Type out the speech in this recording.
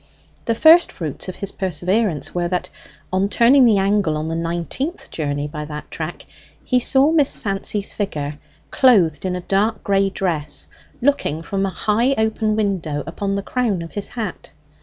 The first fruits of his perseverance were that, on turning the angle on the nineteenth journey by that track, he saw Miss Fancy's figure, clothed in a dark gray dress, looking from a high open window upon the crown of his hat.